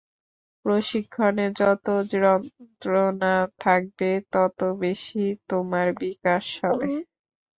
প্রশিক্ষণে যত যন্ত্রণা থাকবে, তত বেশি তোমার বিকাশ হবে।